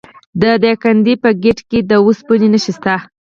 د دایکنډي په ګیتي کې د وسپنې نښې شته.